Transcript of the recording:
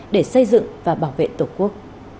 để xây dựng và bảo vệ tổ quốc